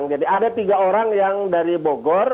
jadi ada tiga orang yang dari bogor